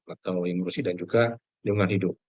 atau yang berusia dan juga lingkungan hidup